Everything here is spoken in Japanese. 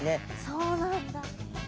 そうなんだ。